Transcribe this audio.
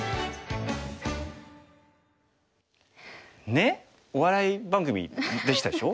ねえお笑い番組でしたでしょ？